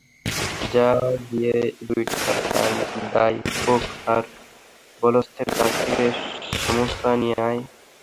যা গিয়ে, দুইটা ডাই কোক আর বলওয়ন্তের কাছ থেকে সমুচা নিয়ে আয়।